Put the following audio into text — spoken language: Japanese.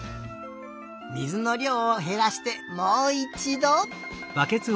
水のりょうをへらしてもういちど！